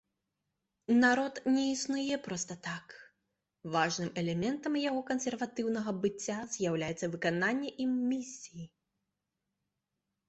Народ не існуе проста так, важным элементам яго кансерватыўнага быцця з'яўляецца выкананне ім місіі.